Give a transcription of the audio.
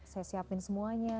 saya siapin semuanya